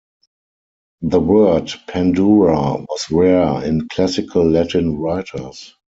The word "pandura" was rare in classical Latin writers.